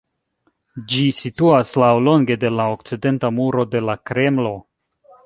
Ĝi situas laŭlonge de la okcidenta muro de la Kremlo.